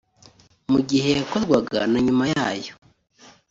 mu gihe yakorwaga na nyuma yayo